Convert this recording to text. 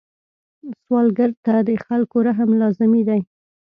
سوالګر ته د خلکو رحم لازمي دی